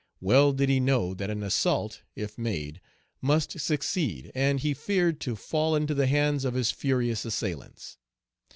Well did he know that an assault, if made, must succeed, and he feared to fall into the hands of his furious assailants.